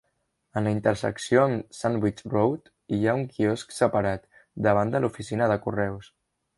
En la intersecció amb Sandwich Road hi ha un quiosc separat, davant de l'oficina de correus.